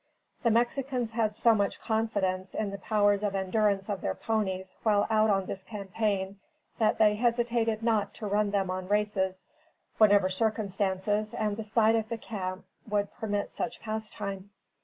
The Mexicans had so much confidence in the powers of endurance of their ponies while out on this campaign, that they hesitated not to run them on races, whenever circumstances and the site of the camp would permit such pastime.